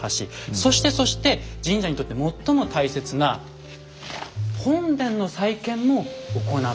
そしてそして神社にとって最も大切な本殿の再建も行っているんです。